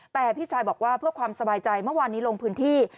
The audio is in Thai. แต่พี่ชายบอกว่าเพื่อความสบายใจเมื่อวานนี้ลงพื้นที่